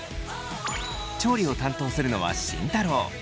調理を担当するのは慎太郎。